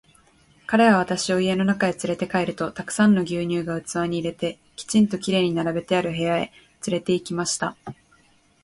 彼は私を家の中へつれて帰ると、たくさんの牛乳が器に入れて、きちんと綺麗に並べてある部屋へつれて行きました。